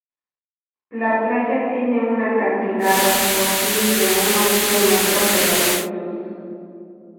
La playa tiene un acantilado fósil de unos cien metros de longitud.